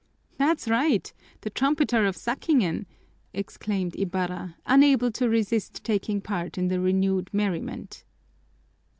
"That's right, the trumpeter of Sackingen!" exclaimed Ibarra, unable to resist taking part in the renewed merriment.